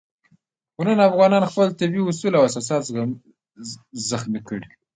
خو نن افغانانو خپل طبیعي اصول او اساسات زخمي کړي.